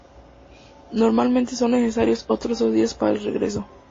Normalmente son necesarios otros dos días para el regreso.